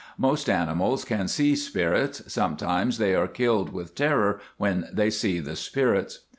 Most animals can see spirits; sometimes they are killed with terror when they see the spirits."